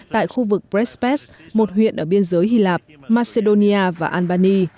tại khu vực brespest một huyện ở biên giới hy lạp macedonia và albany